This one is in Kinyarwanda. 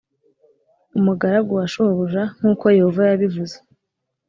Umugaragu wa shobuja nk uko Yehova yabivuze